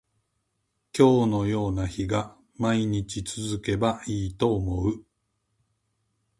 今日のような日が毎日続けばいいと思う